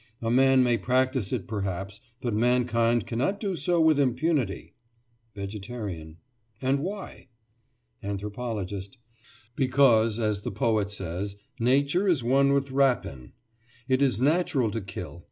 A man may practise it perhaps; but mankind cannot do so with impunity. VEGETARIAN: And why? ANTHROPOLOGIST: Because, as the poet says, "Nature is one with rapine." It is natural to kill.